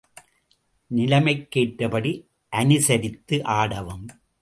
நிலைமைக்கேற்றபடி அனுசரித்து ஆடவும்.